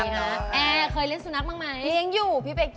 เอาเขาแน่ว่ะเขาอีกทั้งศาสตร์